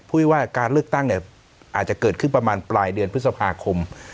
ว่าการเลือกตั้งเนี่ยอาจจะเกิดขึ้นประมาณปลายเดือนพฤษภาคม